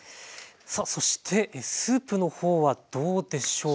さあそしてスープのほうはどうでしょうか？